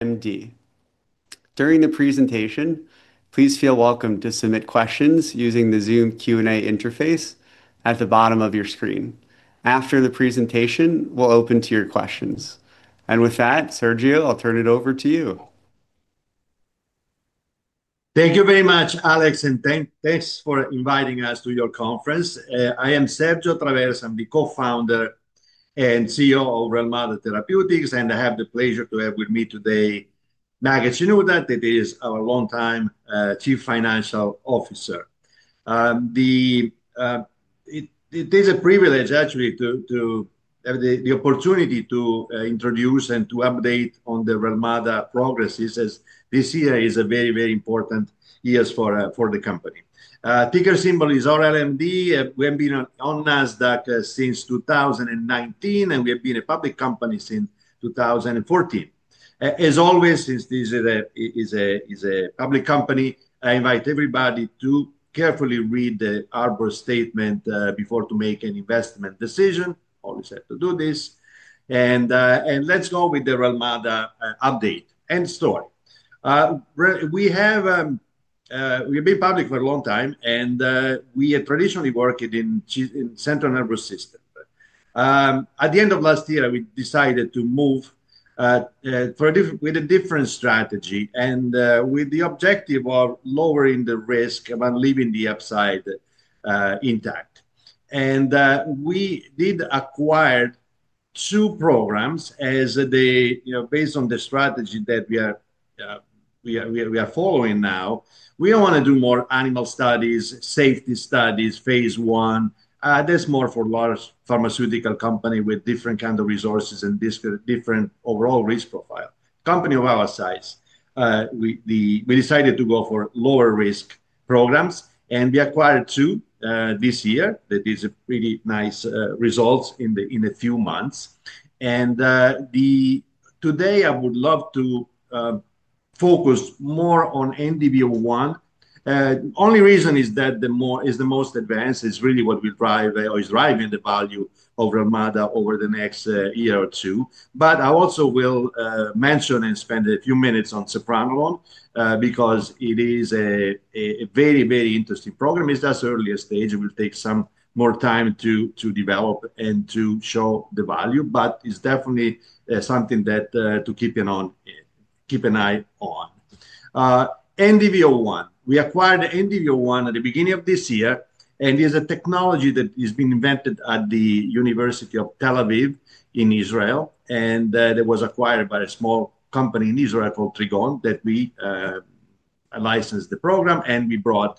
During the presentation, please feel welcome to submit questions using the Zoom Q&A interface at the bottom of your screen. After the presentation, we'll open to your questions. With that, Sergio, I'll turn it over to you. Thank you very much, Alex, and thanks for inviting us to your conference. I am Sergio Traversa. I'm the Co-Founder and CEO of Relmada Therapeutics, and I have the pleasure to have with me today Maged Shenouda, who is our long-time Chief Financial Officer. It is a privilege, actually, to have the opportunity to introduce and to update on the Relmada progress, as this year is a very, very important year for the company. Ticker symbol is RLMD. We have been on NASDAQ since 2019, and we have been a public company since 2014. As always, since this is a public company, I invite everybody to carefully read our statement before making an investment decision. Always have to do this. Let's go with the Relmada update and story. We have been public for a long time, and we had traditionally worked in the central nervous system. At the end of last year, we decided to move with a different strategy and with the objective of lowering the risk of leaving the upside intact. We did acquire two programs based on the strategy that we are following now. We want to do more animal studies, safety studies, phase one. That's more for large pharmaceutical companies with different kinds of resources and different overall risk profiles. A company of our size, we decided to go for lower risk programs, and we acquired two this year. That is a pretty nice result in a few months. Today, I would love to focus more on NDB-01. The only reason is that it is the most advanced. It is really what we drive or is driving the value of Relmada over the next year or two. I also will mention and spend a few minutes on Sopranolol because it is a very, very interesting program. It's just early stage. It will take some more time to develop and to show the value, but it's definitely something to keep an eye on. NDB-01. We acquired NDB-01 at the beginning of this year, and it is a technology that has been invented at Tel Aviv University in Israel. It was acquired by a small company in Israel called Trigon that we licensed the program, and we brought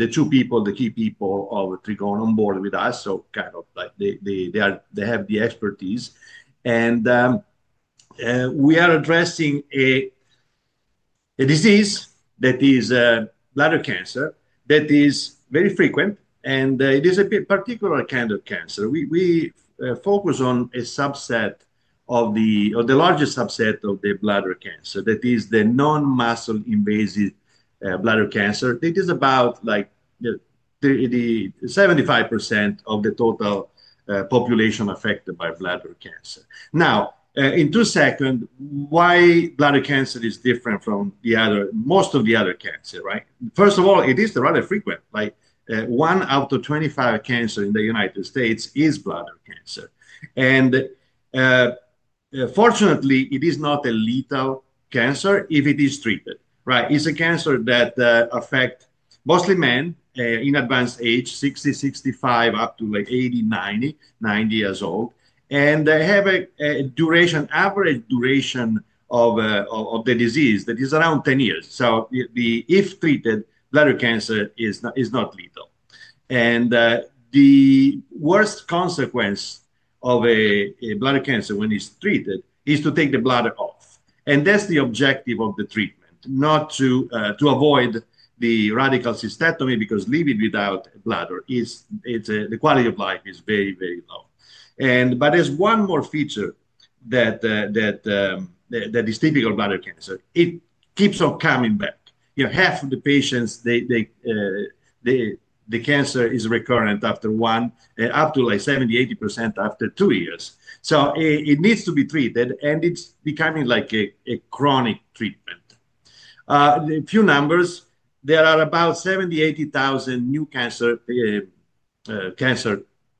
the two people, the key people of Trigon on board with us. They have the expertise. We are addressing a disease that is bladder cancer that is very frequent, and it is a particular kind of cancer. We focus on a subset of the largest subset of the bladder cancer. That is the non-muscle invasive bladder cancer. It is about 75% of the total population affected by bladder cancer. Now, in two seconds, why bladder cancer is different from most of the other cancers, right? First of all, it is rather frequent, right? One out of 25 cancers in the United States is bladder cancer. Fortunately, it is not a lethal cancer if it is treated, right? It's a cancer that affects mostly men in advanced age, 60, 65, up to like 80, 90, 90 years old, and they have an average duration of the disease that is around 10 years. If treated, bladder cancer is not lethal. The worst consequence of a bladder cancer when it's treated is to take the bladder off. That's the objective of the treatment, not to avoid the radical cystectomy because living without bladder, the quality of life is very, very low. There's one more feature that is typical of bladder cancer. It keeps on coming back. Half of the patients, the cancer is recurrent after one, up to like 70% to 80% after two years. It needs to be treated, and it's becoming like a chronic treatment. A few numbers. There are about 70,000 to 80,000 new cancer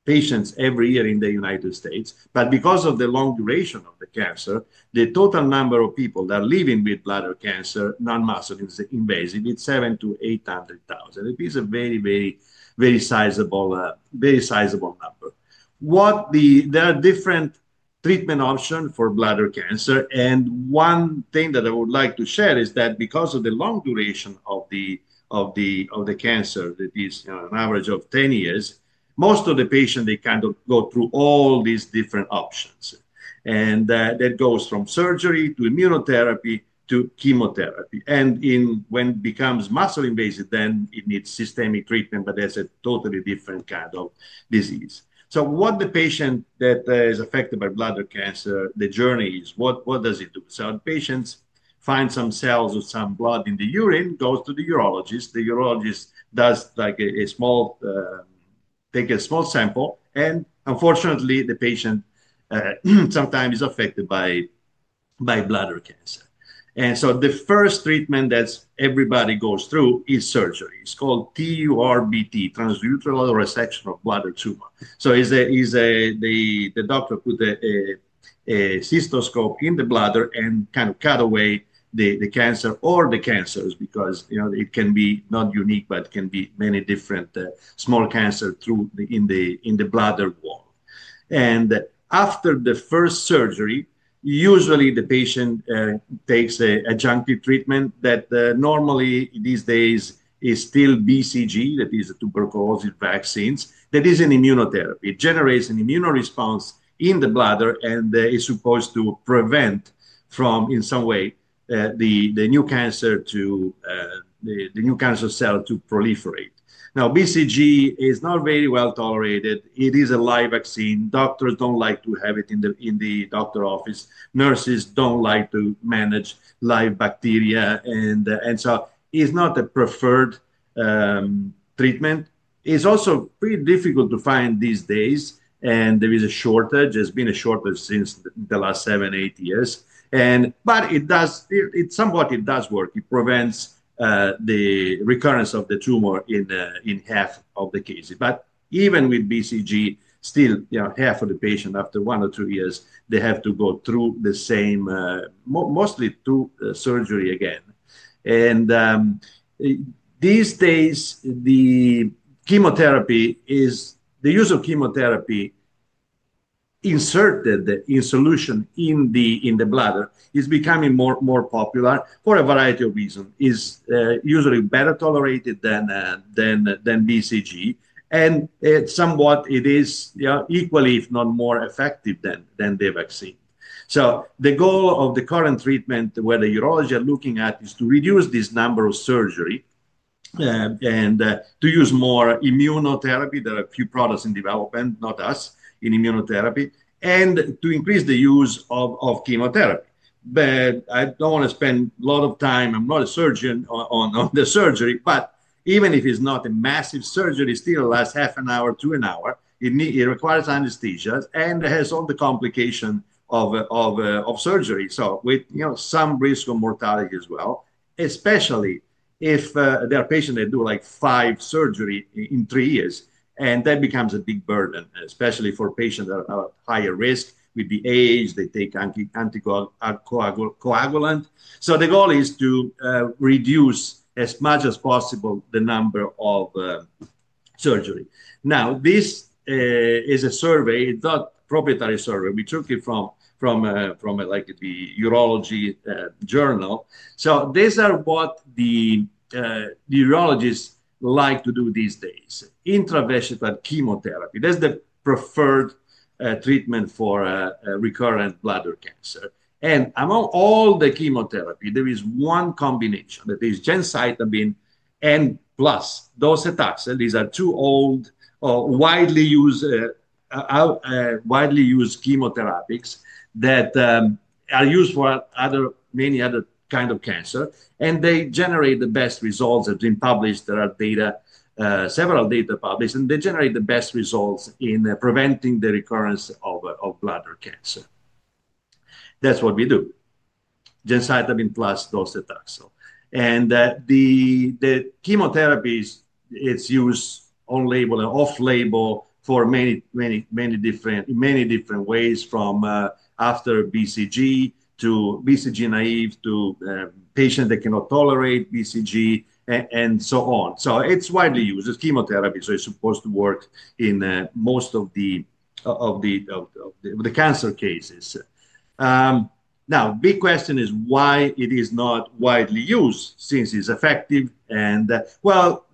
patients every year in the United States. Because of the long duration of the cancer, the total number of people that are living with bladder cancer, non-muscle invasive, is 700,000 to 800,000. It is a very, very, very sizable number. There are different treatment options for bladder cancer. One thing that I would like to share is that because of the long duration of the cancer, that is an average of 10 years, most of the patients, they kind of go through all these different options. That goes from surgery to immunotherapy to chemotherapy. When it becomes muscle invasive, then it needs systemic treatment, but that's a totally different kind of disease. What the patient that is affected by bladder cancer, the journey is, what does it do? The patients find some cells with some blood in the urine, goes to the urologist. The urologist does like a small sample, and unfortunately, the patient sometimes is affected by bladder cancer. The first treatment that everybody goes through is surgery. It's called TURBT, transurethral resection of bladder tumor. The doctor puts a cystoscope in the bladder and kind of cut away the cancer or the cancers because it can be not unique, but it can be many different small cancers in the bladder wall. After the first surgery, usually the patient takes adjunctive treatment that normally these days is still BCG. That is the tuberculosis vaccine. That is an immunotherapy. It generates an immune response in the bladder and is supposed to prevent, in some way, the new cancer cell to proliferate. Now, BCG is not very well tolerated. It is a live vaccine. Doctors don't like to have it in the doctor office. Nurses don't like to manage live bacteria, and it's not a preferred treatment. It's also pretty difficult to find these days, and there is a shortage. There's been a shortage since the last seven, eight years. It does, it somewhat does work. It prevents the recurrence of the tumor in half of the cases. Even with BCG, still half of the patients, after one or two years, they have to go through the same, mostly through surgery again. These days, the use of chemotherapy inserted in solution in the bladder is becoming more popular for a variety of reasons. It's usually better tolerated than BCG, and somewhat it is equally, if not more, effective than the vaccine. The goal of the current treatment, what the urologists are looking at, is to reduce this number of surgeries and to use more immunotherapy. There are a few products in development, not us, in immunotherapy, and to increase the use of chemotherapy. I don't want to spend a lot of time. I'm not a surgeon on the surgery. Even if it's not a massive surgery, it still lasts half an hour to an hour. It requires anesthesia and has all the complications of surgery, with some risk of mortality as well, especially if there are patients that do like five surgeries in three years, and that becomes a big burden, especially for patients that are higher risk with the age. They take anticoagulants. The goal is to reduce as much as possible the number of surgeries. Now, this is a survey. It's not a proprietary survey. We took it from the Urology Journal. These are what the urologists like to do these days. Intravesical chemotherapy, that's the preferred treatment for recurrent bladder cancer. Among all the chemotherapies, there is one combination. That is gemcitabine and plus docetaxel. These are two old, widely used chemotherapies that are used for many other kinds of cancers, and they generate the best results. They've been published. There are several data published, and they generate the best results in preventing the recurrence of bladder cancer. That's what we do. Gemcitabine plus docetaxel. The chemotherapy is used on label or off label for many, many, many different ways, from after BCG to BCG naive to patients that cannot tolerate BCG and so on. It is widely used. It is chemotherapy, so it is supposed to work in most of the cancer cases. The big question is why it is not widely used since it is effective. There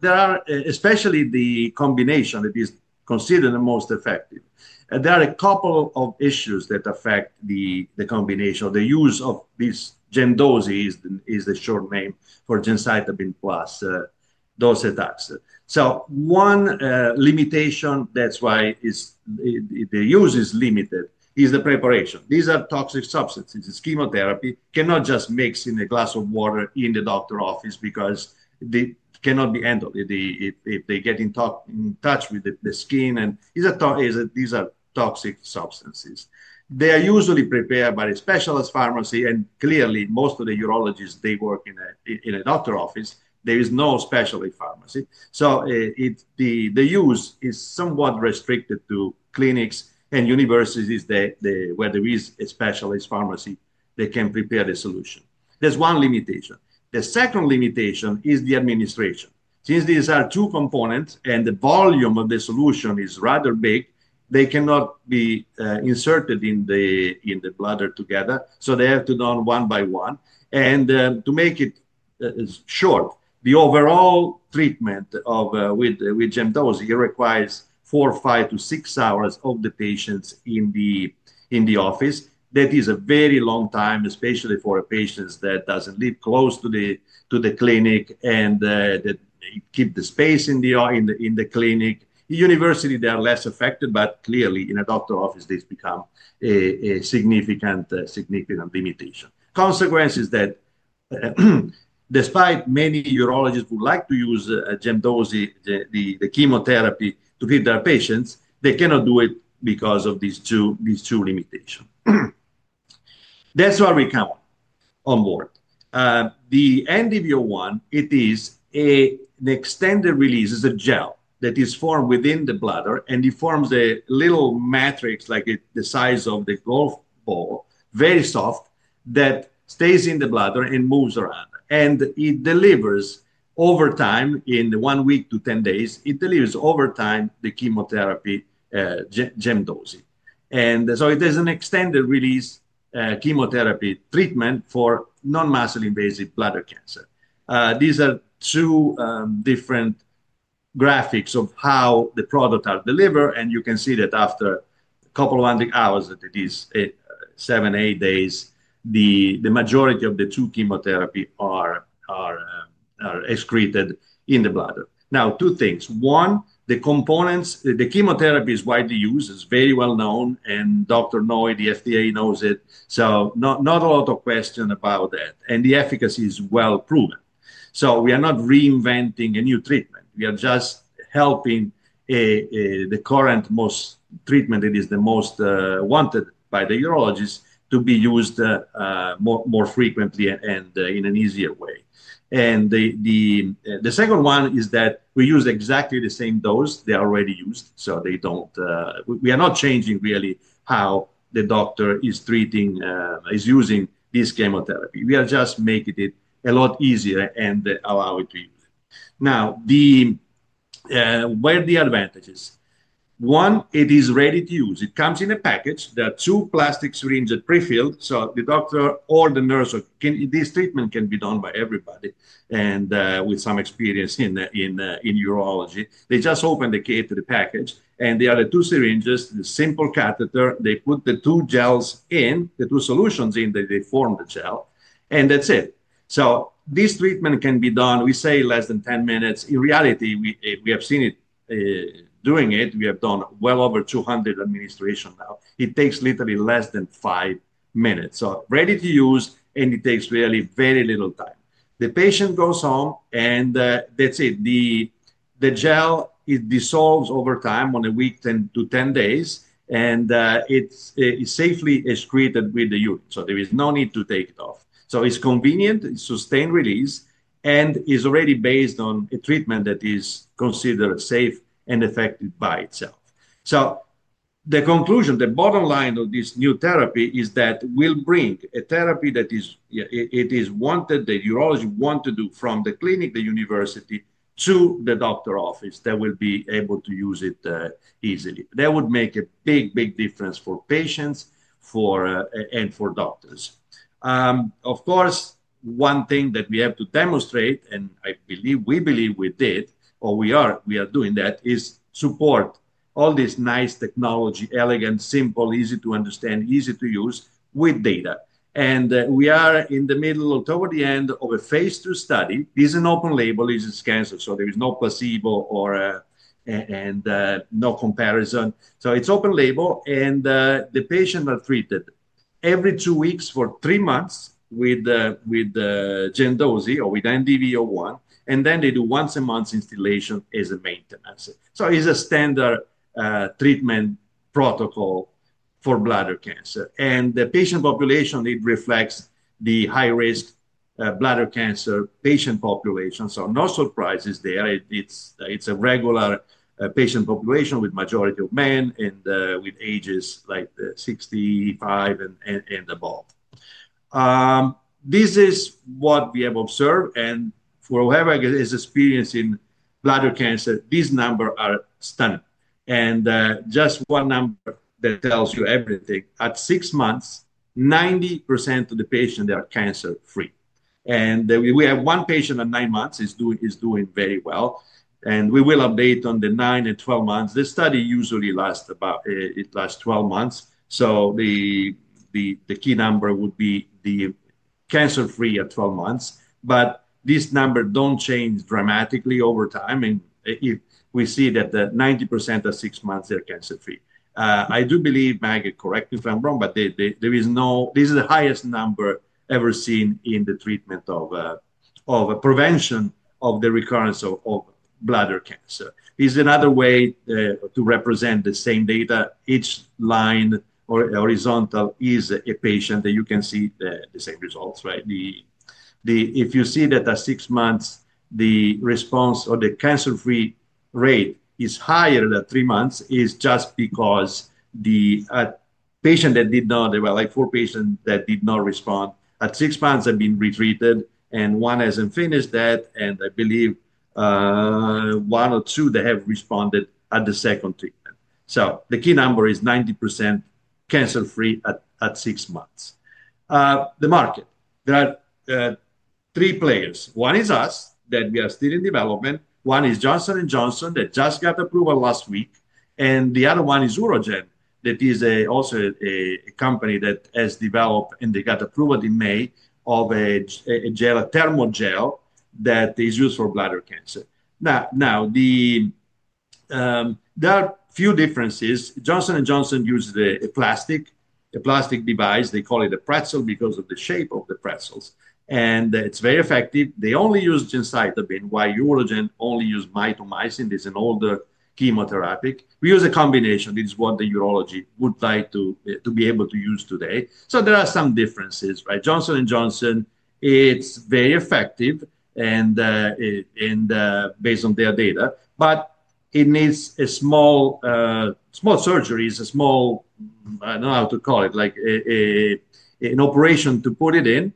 are especially the combination that is considered the most effective. There are a couple of issues that affect the combination or the use of this Gendoza, which is the short name for gemcitabine plus docetaxel. One limitation, which is why the use is limited, is the preparation. These are toxic substances. This chemotherapy cannot just be mixed in a glass of water in the doctor's office because it cannot be handled if they get in touch with the skin. These are toxic substances. They are usually prepared by a specialist pharmacy. Most of the urologists work in a doctor's office. There is no specialist pharmacy. The use is somewhat restricted to clinics and universities where there is a specialist pharmacy that can prepare the solution. That is one limitation. The second limitation is the administration. Since these are two components and the volume of the solution is rather big, they cannot be inserted in the bladder together. They have to be done one by one. To make it short, the overall treatment with Gendoza requires four, five, to six hours of the patients in the office. That is a very long time, especially for patients that do not live close to the clinic and that keep the space in the clinic. In university, they are less affected, but in a doctor's office, this becomes a significant limitation. The consequence is that despite many urologists who like to use Gendoza, the chemotherapy to treat their patients, they cannot do it because of these two limitations. That is why we come on board. The NDB-01 is an extended release. It is a gel that is formed within the bladder, and it forms a little matrix like the size of a golf ball, very soft, that stays in the bladder and moves around. It delivers over time, in one week to 10 days, the chemotherapy Gendoza. It is an extended release chemotherapy treatment for non-muscle invasive bladder cancer. These are two different graphics of how the products are delivered. You can see that after a couple of hours, that is seven, eight days, the majority of the two chemotherapies are excreted in the bladder. Two things. One, the components, the chemotherapy is widely used. It's very well known, and the FDA knows it. Not a lot of questions about that. The efficacy is well proven. We are not reinventing a new treatment. We are just helping the current treatment that is the most wanted by the urologists to be used more frequently and in an easier way. The second one is that we use exactly the same dose they already use. We are not changing really how the doctor is treating, is using this chemotherapy. We are just making it a lot easier and allowing it to use. What are the advantages? One, it is ready to use. It comes in a package. There are two plastic syringes pre-filled. The doctor or the nurse, this treatment can be done by everybody with some experience in urology. They just open the case with the package, and there are the two syringes, the simple catheter. They put the two gels in, the two solutions in that they form the gel, and that's it. This treatment can be done, we say, in less than 10 minutes. In reality, we have seen it done. We have done well over 200 administrations now. It takes literally less than five minutes. Ready to use, and it takes really very little time. The patient goes home, and that's it. The gel dissolves over time in a week to 10 days, and it's safely excreted with the urine. There is no need to take it off. It's convenient. It's sustained release, and it's already based on a treatment that is considered safe and effective by itself. The conclusion, the bottom line of this new therapy is that we'll bring a therapy that is wanted, that urologists want to do from the clinic, the university, to the doctor's office that will be able to use it easily. That would make a big, big difference for patients and for doctors. One thing that we have to demonstrate, and I believe we did, or we are doing that, is support all this nice technology, elegant, simple, easy to understand, easy to use with data. We are in the middle of toward the end of a phase 2 study. This is an open label. This is cancer. There is no placebo or no comparison. It's open label, and the patients are treated every two weeks for three months with Gendoza or with NDB-01. Then they do once a month instillation as a maintenance. It's a standard treatment protocol for bladder cancer. The patient population reflects the high-risk bladder cancer patient population. No surprises there. It's a regular patient population with the majority of men and with ages like 65 and above. This is what we have observed, and whoever is experienced in bladder cancer, these numbers are stunning. Just one number that tells you everything: at six months, 90% of the patients are cancer-free. We have one patient at nine months who is doing very well. We will update on the nine and 12 months. The study usually lasts about 12 months. The key number would be the cancer-free at 12 months. These numbers don't change dramatically over time. We see that 90% at six months are cancer-free. I do believe, Maged, correct me if I'm wrong, but this is the highest number ever seen in the treatment of prevention of the recurrence of bladder cancer. This is another way to represent the same data. Each line or horizontal is a patient that you can see the same results, right? If you see that at six months, the response or the cancer-free rate is higher than three months, it's just because the patient that did not, well, like four patients that did not respond at six months have been retreated, and one hasn't finished that. I believe one or two that have responded at the second treatment. The key number is 90% cancer-free at six months. The market, there are three players. One is us, that we are still in development. One is Johnson & Johnson that just got approval last week. The other one is UroGen, that is also a company that has developed and they got approval in May of a thermal gel that is used for bladder cancer. There are a few differences. Johnson & Johnson uses a plastic device. They call it a pretzel because of the shape of the pretzels. It's very effective. They only use gemcitabine, while UroGen only uses mitomycin. It's an older chemotherapy. We use a combination. It's what the urology would like to be able to use today. There are some differences, right? Johnson & Johnson, it's very effective and based on their data. It needs a small surgery. It's a small, I don't know how to call it, like an operation to put it in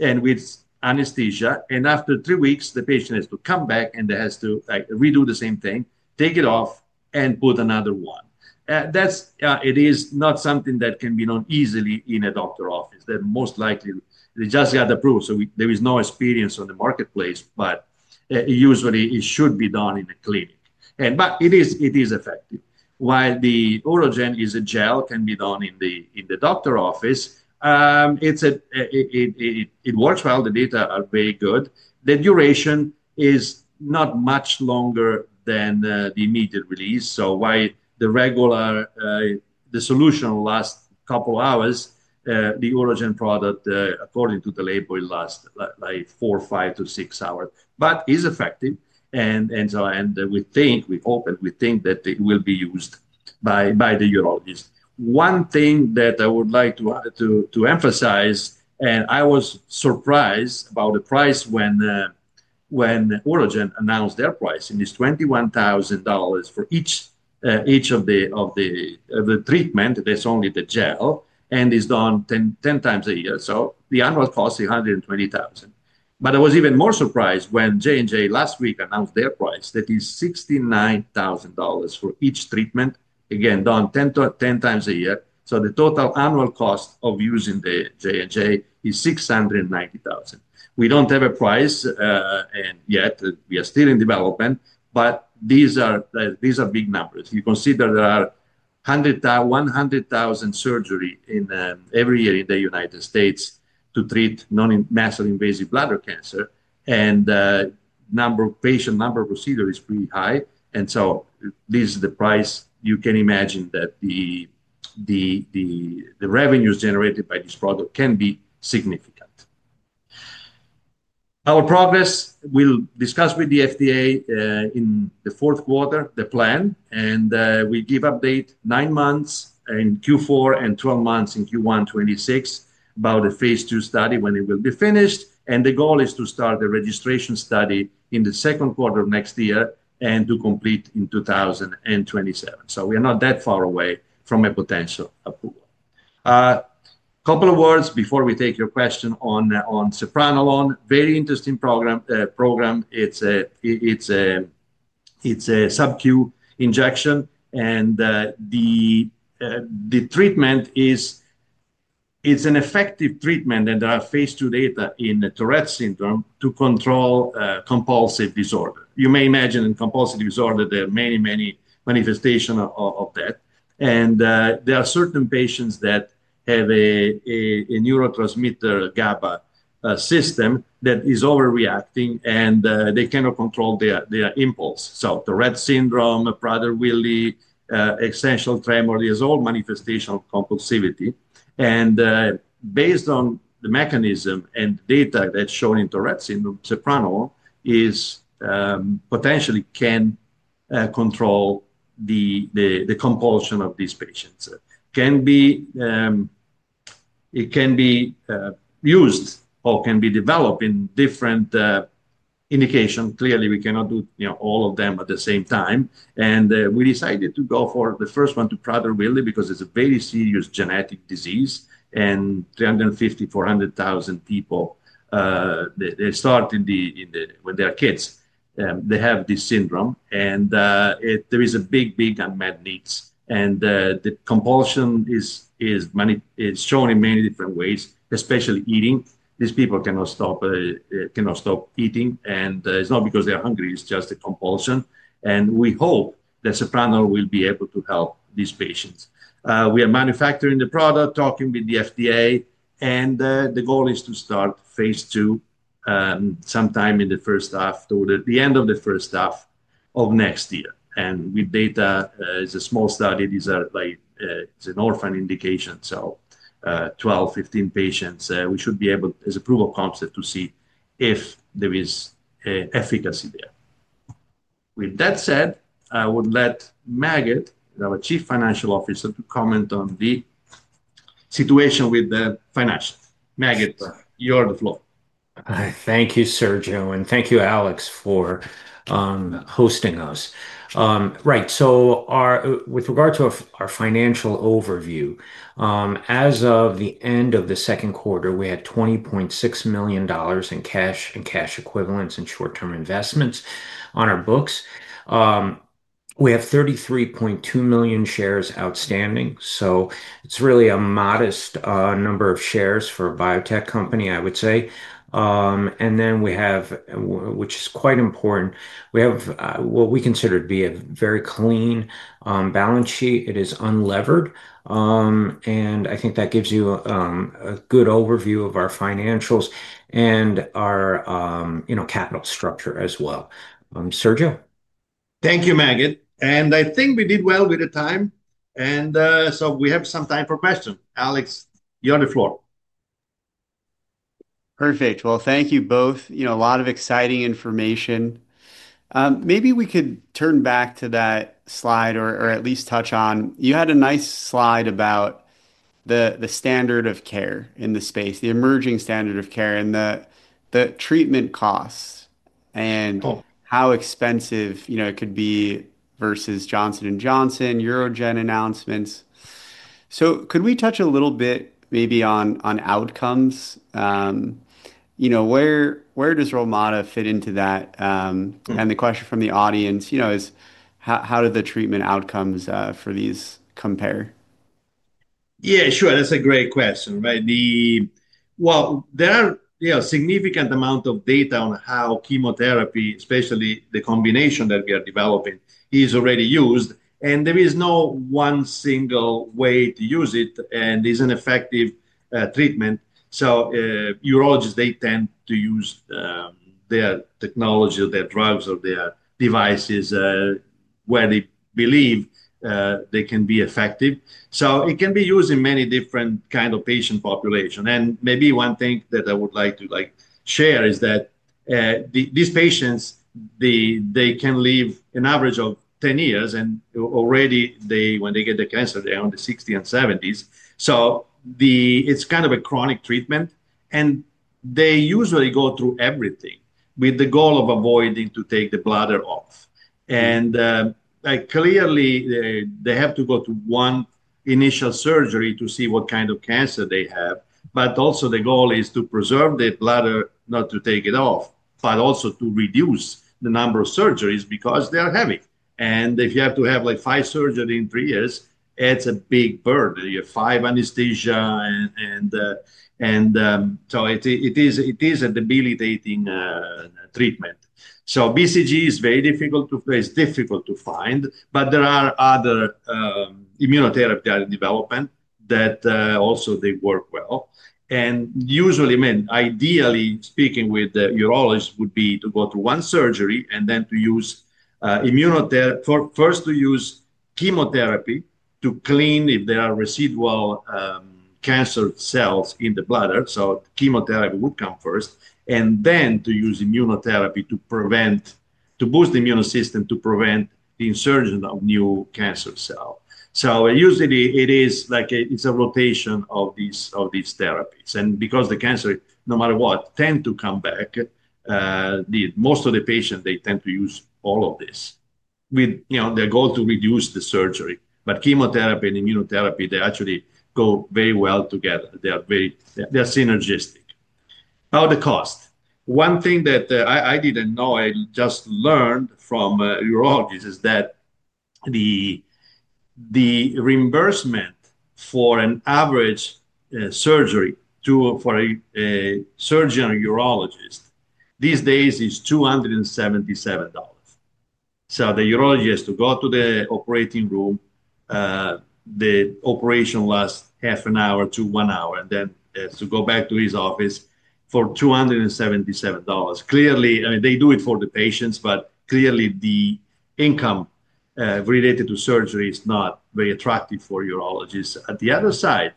and with anesthesia. After three weeks, the patient has to come back and they have to redo the same thing, take it off, and put another one. It is not something that can be done easily in a doctor's office. That most likely, they just got approved. There is no experience on the marketplace, but it usually should be done in a clinic. It is effective. While the UroGen gel can be done in the doctor's office, it works well. The data are very good. The duration is not much longer than the immediate release. While the regular solution lasts a couple of hours, the UroGen product, according to the label, lasts like four, five, to six hours. It is effective. We think, we hope, and we think that it will be used by the urologists. One thing that I would like to emphasize, I was surprised about the price when UroGen announced their price. It's $21,000 for each of the treatment. That's only the gel. It's done 10 times a year. The annual cost is $120,000. I was even more surprised when Johnson & Johnson last week announced their price. That is $69,000 for each treatment. Again, done 10 times a year. The total annual cost of using the Johnson & Johnson is $690,000. We don't have a price, and yet we are still in development. These are big numbers. If you consider there are 100,000 surgeries every year in the United States to treat non-muscle invasive bladder cancer, and the number of patients, number of procedures is pretty high. This is the price. You can imagine that the revenues generated by this product can be significant. Our progress, we'll discuss with the FDA in the fourth quarter, the plan. We give updates nine months in Q4 and 12 months in Q1 2026 about the phase 2 study when it will be finished. The goal is to start the registration study in the second quarter of next year and to complete in 2027. We are not that far away from a potential approval. A couple of words before we take your question on Sopranolol. Very interesting program. It's a subcutaneous injection. The treatment is an effective treatment. There are phase 2 data in Tourette's syndrome to control compulsive disorder. You may imagine in compulsive disorder there are many, many manifestations of that. There are certain patients that have a neurotransmitter, GABA, system that is overreacting, and they cannot control their impulse. Tourette's syndrome, Prader-Willi, essential tremors, these are all manifestations of compulsivity. Based on the mechanism and data that's shown in Tourette's syndrome, Sopranolol potentially can control the compulsion of these patients. It can be used or can be developed in different indications. Clearly, we cannot do all of them at the same time. We decided to go for the first one, to Prader-Willi, because it's a very serious genetic disease. There are 350,000, 400,000 people, they start in their kids. They have this syndrome. There is a big, big unmet need. The compulsion is shown in many different ways, especially eating. These people cannot stop eating. It's not because they're hungry. It's just a compulsion. We hope that Sopranolol will be able to help these patients. We are manufacturing the product, talking with the FDA. The goal is to start phase 2 sometime in the first half, toward the end of the first half of next year. With data, it's a small study. It's an orphan indication. 12, 15 patients, we should be able, as a proof of concept, to see if there is efficacy there. With that said, I would let Maged, our Chief Financial Officer, comment on the situation with the financials. Maged, you're on the floor. Thank you, Sergio, and thank you, Alex, for hosting us. Right. With regard to our financial overview, as of the end of the second quarter, we had $20.6 million in cash and cash equivalents and short-term investments on our books. We have 33.2 million shares outstanding. It's really a modest number of shares for a biotech company, I would say. We have, which is quite important, what we consider to be a very clean balance sheet. It is unlevered. I think that gives you a good overview of our financials and our capital structure as well. Sergio? Thank you, Maged. I think we did well with the time, so we have some time for questions. Alex, you're on the floor. Perfect. Thank you both. You know, a lot of exciting information. Maybe we could turn back to that slide or at least touch on, you had a nice slide about the standard of care in the space, the emerging standard of care and the treatment costs and how expensive it could be versus Johnson & Johnson, UroGen announcements. Could we touch a little bit maybe on outcomes? You know, where does Relmada fit into that? The question from the audience is, how do the treatment outcomes for these compare? Yeah, sure. That's a great question, right? There are significant amounts of data on how chemotherapy, especially the combination that we are developing, is already used. There is no one single way to use it, and it's an effective treatment. Urologists tend to use their technology or their drugs or their devices where they believe they can be effective. It can be used in many different kinds of patient populations. One thing that I would like to share is that these patients can live an average of 10 years. Already, when they get the cancer, they're in their 60s and 70s, so it's kind of a chronic treatment. They usually go through everything with the goal of avoiding taking the bladder off. Clearly, they have to go through one initial surgery to see what kind of cancer they have. The goal is to preserve the bladder, not to take it off, but also to reduce the number of surgeries because they are heavy. If you have to have like five surgeries in three years, it's a big burden. You have five anesthesia, and it is a debilitating treatment. BCG is very difficult to place, difficult to find. There are other immunotherapies that are in development that also work well. Ideally, with the urologists, it would be to go through one surgery and then to use immunotherapy, first to use chemotherapy to clean if there are residual cancer cells in the bladder. Chemotherapy would come first, and then to use immunotherapy to boost the immune system, to prevent the insertion of new cancer cells. Usually, it is a rotation of these therapies. Because the cancer, no matter what, tends to come back, most of the patients tend to use all of this with their goal to reduce the surgery. Chemotherapy and immunotherapy actually go very well together. They are synergistic. About the cost, one thing that I didn't know, I just learned from urologists, is that the reimbursement for an average surgery for a surgeon or urologist these days is $277. The urologist has to go to the operating room. The operation lasts half an hour to one hour, and then has to go back to his office for $277. Clearly, they do it for the patients, but the income related to surgery is not very attractive for urologists. On the other side,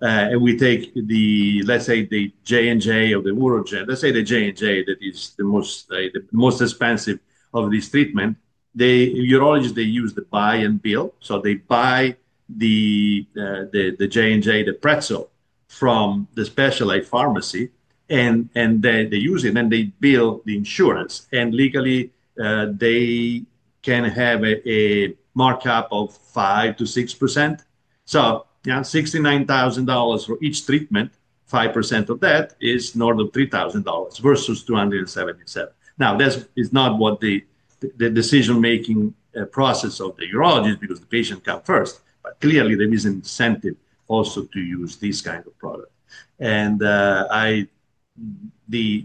if we take the, let's say, the Johnson & Johnson or the UroGen, let's say the Johnson & Johnson that is the most expensive of this treatment, the urologists, they use the buy and bill. They buy the Johnson & Johnson, the pretzel from the specialized pharmacy, and they use it, and then they bill the insurance. Legally, they can have a markup of 5% to 6%. $69,000 for each treatment, 5% of that is more than $3,000 versus $277. That is not what the decision-making process of the urologist is because the patient comes first. Clearly, there is an incentive also to use this kind of product. The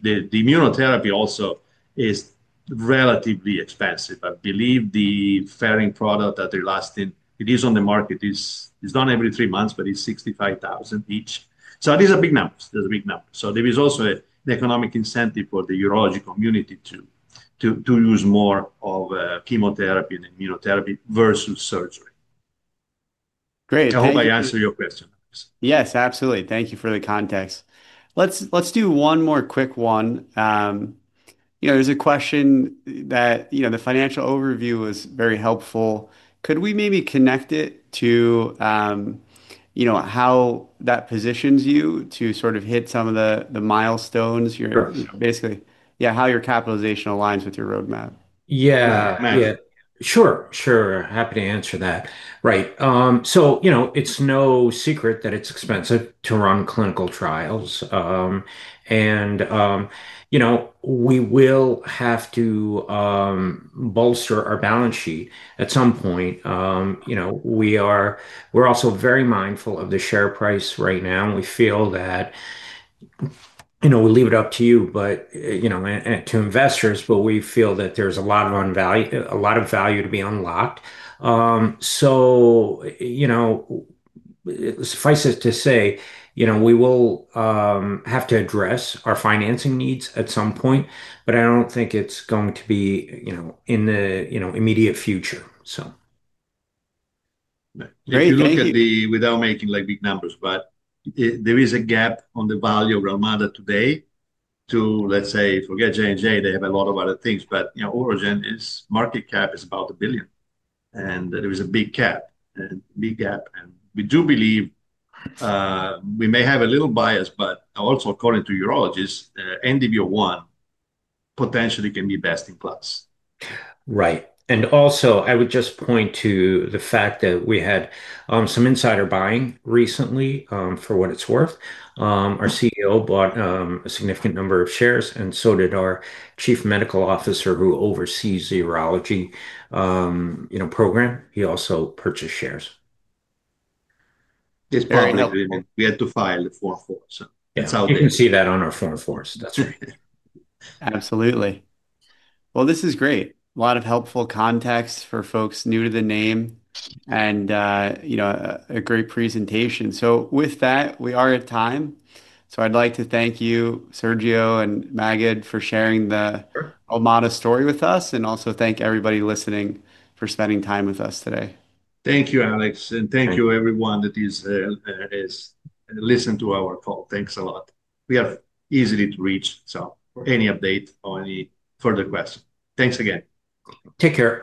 immunotherapy also is relatively expensive. I believe the Ferring product that they're lasting, it is on the market, it's done every three months, but it's $65,000 each. It is a big number. It is a big number. There is also an economic incentive for the urology community to use more of chemotherapy and immunotherapy versus surgery. Great. I hope I answered your question. Yes, absolutely. Thank you for the context. Let's do one more quick one. There's a question that, you know, the financial overview was very helpful. Could we maybe connect it to how that positions you to sort of hit some of the milestones? Sure. Basically, how your capitalization aligns with your roadmap. Yeah, sure. Happy to answer that. Right. You know, it's no secret that it's expensive to run clinical trials. We will have to bolster our balance sheet at some point. We're also very mindful of the share price right now. We feel that, you know, we leave it up to you, to investors, but we feel that there's a lot of value to be unlocked. Suffice it to say, we will have to address our financing needs at some point, but I don't think it's going to be in the immediate future. Great. Without making big numbers, there is a gap on the value of Relmada today to, let's say, forget Johnson & Johnson. They have a lot of other things. UroGen, its market cap is about $1 billion. There is a big gap. We do believe, we may have a little bias, but also, according to urologists, NDB-01 potentially can be best in class. Right. I would just point to the fact that we had some insider buying recently for what it's worth. Our CEO bought a significant number of shares, and so did our Chief Medical Officer who oversees the urology program. He also purchased shares. It's part of the document. We had to file the 404. You can see that on our 404. That's right. Absolutely. This is great. A lot of helpful context for folks new to the name and, you know, a great presentation. With that, we are at time. I'd like to thank you, Sergio and Maged, for sharing the Relmada story with us. I also thank everybody listening for spending time with us today. Thank you, Alex. Thank you, everyone that is listening to our call. Thanks a lot. We are easy to reach for any update or any further questions. Thanks again. Take care.